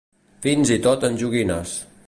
Fins i tot en joguines.